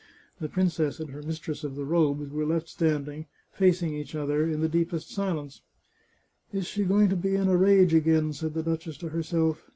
The princess and her mistress of the robes were left standing, facing each other, in the deepest silence, " Is she going to be in a rage again ?" said the duchess to herself.